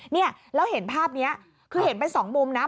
เนี่ยแล้วเห็นภาพนี้คือเห็นเป็นสองมุมนะ